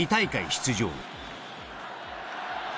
出場